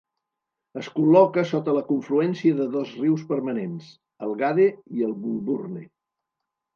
Es col·loca sota la confluència de dos rius permanents, el Gade i el Bulbourne.